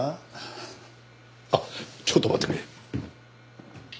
あっちょっと待ってくれ。